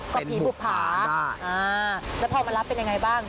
เป็นหบผาค่ะอ่าแต่พอมารับเป็นอย่างไรบ้าง